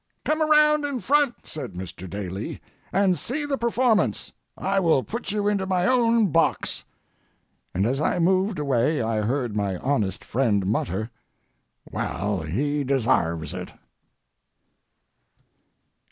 "Come around in front," said Mr. Daly, "and see the performance. I will put you into my own box." And as I moved away I heard my honest friend mutter, "Well, he desarves it."